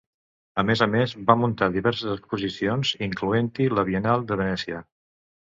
A més a més, va muntar diverses exposicions, incloent-hi la Biennale de Venècia.